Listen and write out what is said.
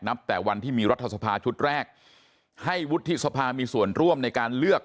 นับแต่วันที่มีรัฐธรรมชุดแรกให้วุฒิทธุ์ศภาพมีส่วนร่วมในการเลือก